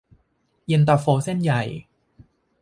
เย็นตาโฟเส้นใหญ่